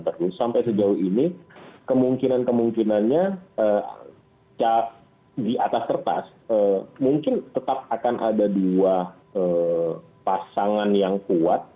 terus sampai sejauh ini kemungkinan kemungkinannya di atas kertas mungkin tetap akan ada dua pasangan yang kuat